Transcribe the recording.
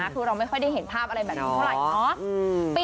คือเราไม่ค่อยได้เห็นภาพอะไรแบบนี้เท่าไหร่เนาะ